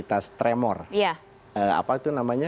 indians of asiakopi ingin mengucapkan penghargaannya